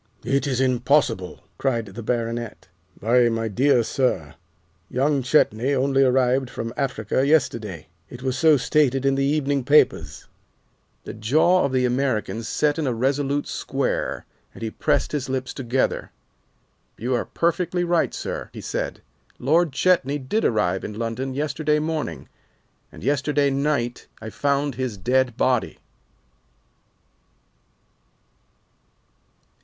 "It is impossible!" cried the Baronet. "Why, my dear sir, young Chetney only arrived from Africa yesterday. It was so stated in the evening papers." The jaw of the American set in a resolute square, and he pressed his lips together. "You are perfectly right, sir," he said, "Lord Chetney did arrive in London yesterday morning, and yesterday night I found his dead body."